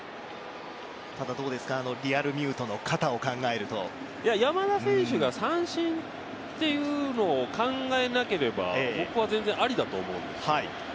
ただ、あのリアルミュートの肩を考えると山田選手が三振っていうのを考えなければ僕は全然ありだと思うんですけど。